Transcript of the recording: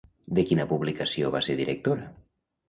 De quina publicació va ser directora?